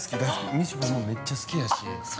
みちょぱ、めっちゃ好きやし。